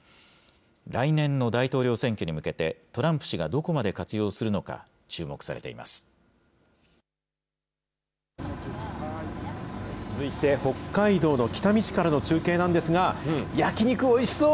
来年の大統領選挙に向けて、トランプ氏がどこまで活用するのか注続いて、北海道の北見市からの中継なんですが、焼き肉、おいしそう。